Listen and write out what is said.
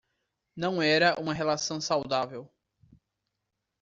Não era uma relação saudável